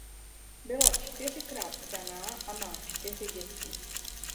Byla čtyřikrát vdaná a má čtyři děti.